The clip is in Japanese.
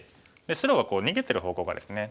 白は逃げてる方向がですね